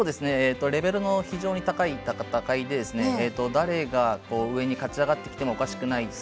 レベルの非常に高い戦いで誰が上に勝ち上がってきてもおかしくない。